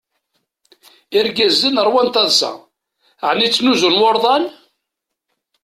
Irgazen ṛwan taḍsa. ɛni ttnuzun wurḍan?